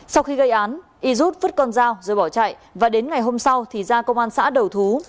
sau khi gây án y rút vứt con dao rồi bỏ chạy và đến ngày hôm sau thì ra công an xã đầu thú